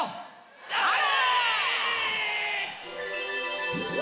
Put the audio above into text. それ！